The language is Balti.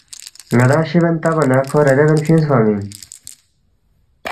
ن٘دانگ شِبین تبا نہ تا کھو ریرے بین فیُونگسے فنگمی اِن